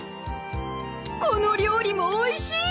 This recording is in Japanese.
この料理もおいしい。